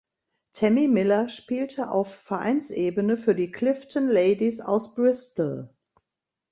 Tammy Miller spielte auf Vereinsebene für die "Clifton Ladies" aus Bristol.